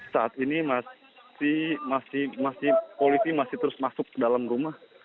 saat ini masih polisi masih terus masuk ke dalam rumah